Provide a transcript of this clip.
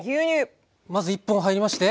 まず１本入りまして。